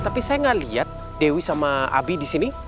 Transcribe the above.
tapi saya gak lihat dewi sama abi disini